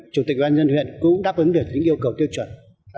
chủ tịch ubnd huyện cũng đáp ứng được những yêu cầu tiêu chuẩn